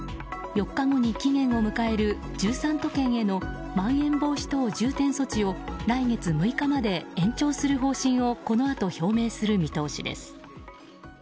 ４日後に期限を迎える１３都県へのまん延防止等重点措置を来月６日まで延長する方針をこのあと表明する見通しです。